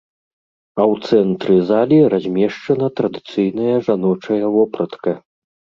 А ў цэнтры залі размешчана традыцыйная жаночая вопратка.